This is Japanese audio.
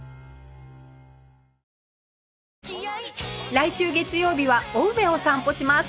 来週月曜日は青梅を散歩します